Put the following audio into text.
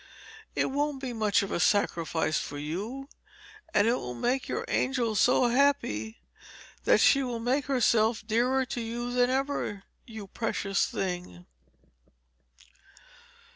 It won't be much of a sacrifice for you, and it will make your angel so happy that she will make herself dearer to you than ever, you precious thing."